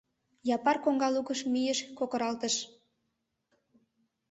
Япар коҥга лукыш мийыш, кокыралтыш.